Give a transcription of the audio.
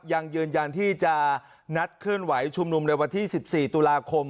ยังยืนยันที่จะนัดเคลื่อนไหวชุมนุมในวันที่๑๔ตุลาคม